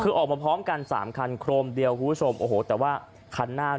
คือออกมาพร้อมกันสามคันโครมเดียวคุณผู้ชมโอ้โหแต่ว่าคันหน้า